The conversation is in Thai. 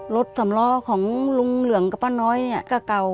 รถสำร่อของลุงเหลืองกับป้าน้อยก็เก่า